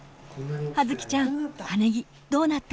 葉月ちゃん葉ねぎどうなった？